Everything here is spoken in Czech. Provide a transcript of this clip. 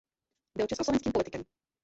Byl československým politikem.